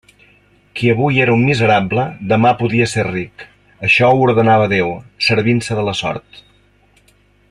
Qui hui era un miserable, demà podia ser ric: això ho ordenava Déu, servint-se de la sort.